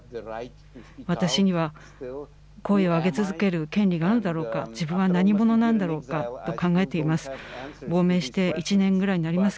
私には声を上げ続ける権利があるだろうか、自分は何者なんだろうかと考えています。